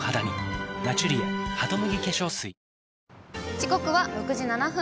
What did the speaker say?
時刻は６時７分。